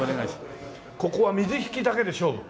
ここは水引だけで勝負？